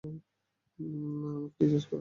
আমাকে নিরাশ কোরো না।